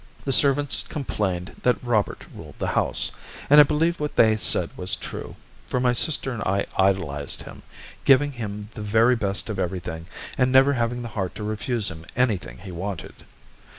The servants complained that Robert ruled the house, and I believe what they said was true, for my sister and I idolized him, giving him the very best of everything and never having the heart to refuse him anything he wanted.